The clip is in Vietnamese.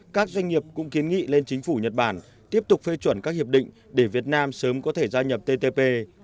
các doanh nghiệp cũng kiến nghị lên chính phủ nhật bản tiếp tục phê chuẩn các hiệp định để việt nam sớm có thể gia nhập ttp